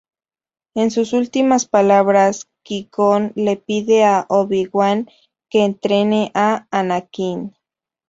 En sus últimas palabras, Qui-Gon le pide a Obi-Wan que entrene a Anakin.